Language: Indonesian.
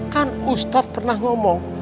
kan ustadz pernah ngomong